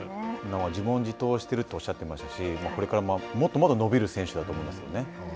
自問自答してるとおっしゃってましたしこれからもっともっと伸びる選手だと思いますよね。